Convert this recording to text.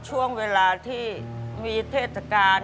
ช่วงเวลาที่มีเทศกาล